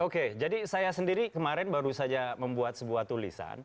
oke jadi saya sendiri kemarin baru saja membuat sebuah tulisan